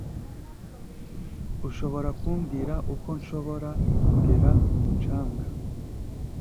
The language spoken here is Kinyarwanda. ushobora kumbwira uko nshobora kugera ku mucanga